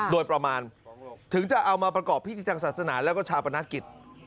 โดยประมาณถึงจะเอามาประกอบพิธีทางศาสนาแล้วก็ชาปนกิจ